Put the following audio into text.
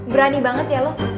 berani banget ya lo